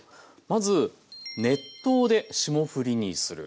まず「熱湯で霜降りにする」。